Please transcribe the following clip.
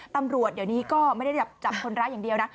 ตำรวจเดี๋ยวนี้ก็ไม่ได้จับคนร้ายอย่างเดียวนะ